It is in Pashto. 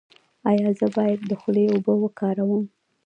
ایا زه باید د خولې اوبه وکاروم؟